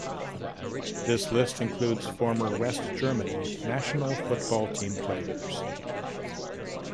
This list includes former West Germany national football team players.